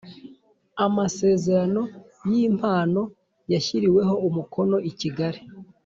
Amasezerano y Impano yashyiriweho umukono i Kigali